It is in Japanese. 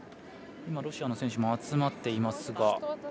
ロシアの選手も集まっていますが。